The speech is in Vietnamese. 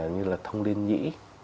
như là thông linh nhĩ